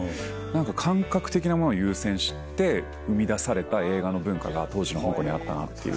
感覚的なものを優先して生み出された映画の文化が当時の香港にあったなっていう。